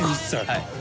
はい。